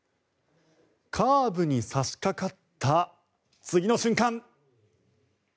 カーブに差しかかった次の瞬間。